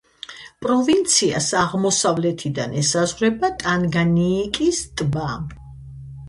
პროვინციას აღმოსავლეთიდან ესაზღვრება ტანგანიიკის ტბა.